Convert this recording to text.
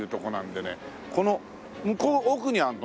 この向こう奥にあるの？